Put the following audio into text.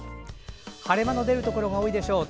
晴れ間の出るところが多いでしょう。